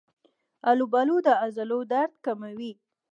آلوبالو د عضلو درد کموي.